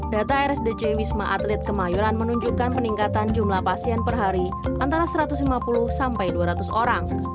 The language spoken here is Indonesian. data rsdc wisma atlet kemayoran menunjukkan peningkatan jumlah pasien per hari antara satu ratus lima puluh sampai dua ratus orang